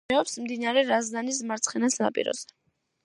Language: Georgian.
მდებარეობს მდინარე რაზდანის მარცხენა სანაპიროზე.